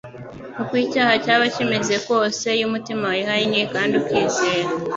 Uko icyaha cyaba kimeze kose, iyo umutima wihannye, kandi ukizera,